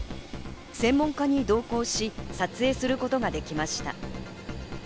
専門家に同行し、撮影することができました。